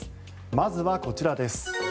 まずはこちらです。